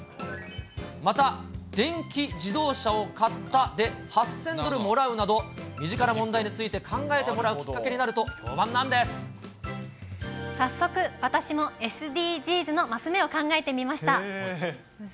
また電気自動車を買ったで、８０００ドルもらうなど、身近な問題について、考えてもらうきっかけになると、評判なんで早速、私もＳＤＧｓのマス目を考えてみました。